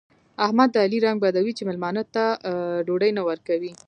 احمد د علي رنګ بدوي چې مېلمانه ته ډوډۍ نه ورکوي.